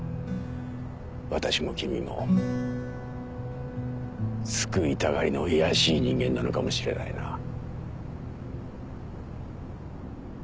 私も君も救いたがりの卑しい人間なのかもしれないな。